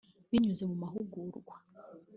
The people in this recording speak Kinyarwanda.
binyuze mu mahugurwa